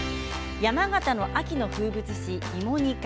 山形の秋の風物詩芋煮会